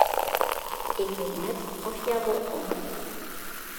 Ik wit net oft hja wol komt.